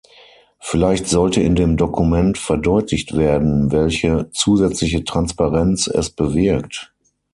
Vielleicht sollte in dem Dokument verdeutlicht werden, welche zusätzliche Transparenz es bewirkt.